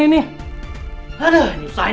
itu kasian buddha